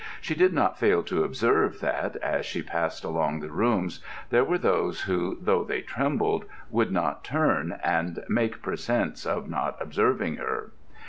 She did not fail to observe that, as she passed along the rooms, there were those who, though they trembled, would not turn, and made pretence of not observing her.